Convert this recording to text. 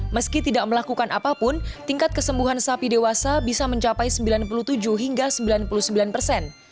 meski tidak melakukan apapun tingkat kesembuhan sapi dewasa bisa mencapai sembilan puluh tujuh hingga sembilan puluh sembilan persen